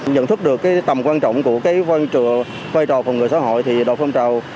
nhận thức được cái tầm quan trọng của cái văn trừa vai trò phòng ngừa xã hội thì độc phong trào